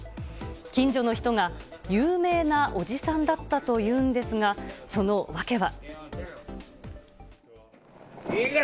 近所の人が有名なおじさんだったと言うんですが、その訳は。